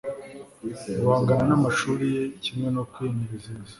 Guhangana namashuri ye kimwe no kwinezeza